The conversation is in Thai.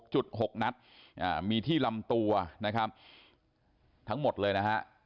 จุดหกนัดมีที่ลำตัวนะครับทั้งหมดเลยนะฮะ